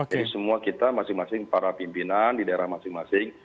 jadi semua kita masing masing para pimpinan di daerah masing masing